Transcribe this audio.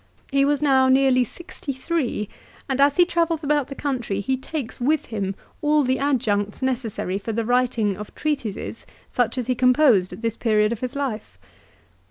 He was now nearly sixty three, and, as he travels about the country he takes with him all the adjuncts necessary for the writing of treatises such as he composed at this period of his life